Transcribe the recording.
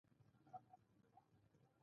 کله چې ايمان د فکر له څپو سره مخلوطېږي.